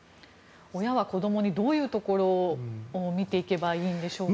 親は子どもにどういうところを見ていけばいいんでしょうか。